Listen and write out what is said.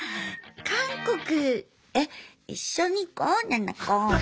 韓国え一緒に行こうななこ。